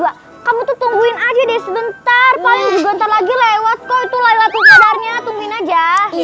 kamu tungguin aja deh sebentar paling ganteng lagi lewat kau itu laylatu kebarnya tungguin aja